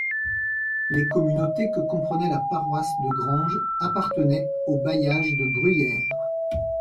Les communautés que comprenait la paroisse de Granges appartenaient au bailliage de Bruyères.